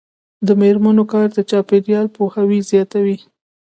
د میرمنو کار د چاپیریال پوهاوي زیاتوي.